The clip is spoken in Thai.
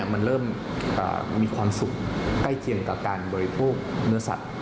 มันเริ่มมีความสุขใกล้เคียงกับการบริโภคเนื้อสัตว์